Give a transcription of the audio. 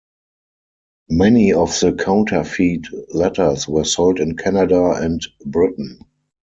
Many of the counterfeit letters were sold in Canada and Britain.